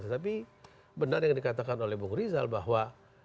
tetapi benar yang dikatakan oleh bung rizal bahwa